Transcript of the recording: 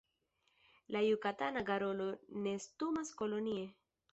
La Jukatana garolo nestumas kolonie.